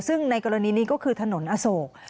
ซึ่งในกรณีนี้ก็คือถนนอโศก